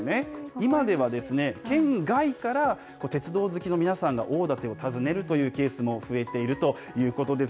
今では県外から、鉄道好きの皆さんが大館を訪ねるというケースも増えているということです。